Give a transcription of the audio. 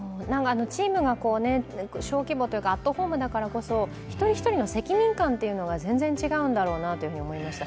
チームが小規模というか、アットホームだからそ、一人一人の責任感が全然違うんだろうなというふうに思いました。